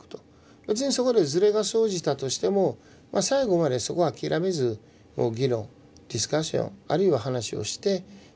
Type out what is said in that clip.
別にそこでズレが生じたとしても最後までそこを諦めず議論ディスカッションあるいは話をしてまあやっていくと。